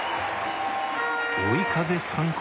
追い風参考